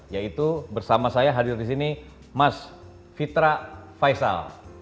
yaitu bersama saya hadir di sini mas fitra faisal